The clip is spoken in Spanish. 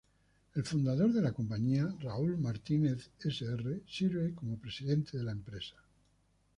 El fundador de la compañía, Raúl Martínez, Sr., sirve como presidente de la empresa.